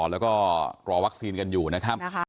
แล้วก็รอวัคซีนกันอยู่นะครับ